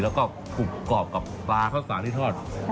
แล้วก็กรุบกรอบกับปลาข้าวสารที่ทอด